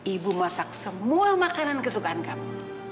ibu masak semua makanan kesukaan kamu